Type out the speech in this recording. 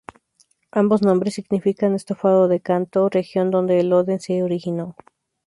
Ambos nombres significan "estofado de Kanto", región donde el "oden" se originó.